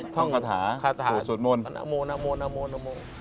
ท่องคาถาขาสุดโมนนโมนนโมน